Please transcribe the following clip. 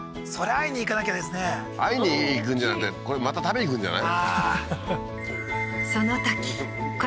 会いに行くんじゃなくてこれまた食べに行くんじゃない？